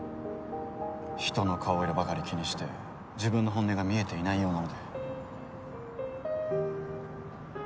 人の顔色ばかり気にして自分の本音が見えていないようなので。